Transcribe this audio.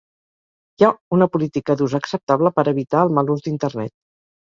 Hi ha una política d'ús acceptable per evitar el mal ús d'Internet.